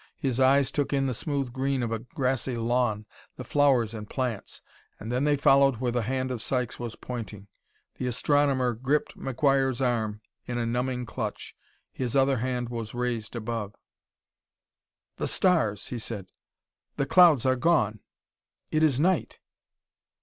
His eyes took in the smooth green of a grassy lawn, the flowers and plants, and then they followed where the hand of Sykes was pointing. The astronomer gripped McGuire's arm in a numbing clutch; his other hand was raised above. "The stars," he said. "The clouds are gone; it is night!"